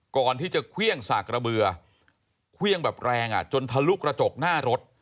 ก่อนที่จะเครื่องสากระเบือเครื่องแบบแรงจนทะลุกระจกหน้ารถ